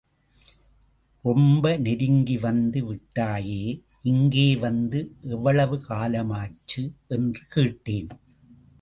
ரொம்ப நெருங்கி வந்து விட்டாயே, இங்கே வந்து எவ்வளவு காலமாச்சு? என்று கேட்டேன்.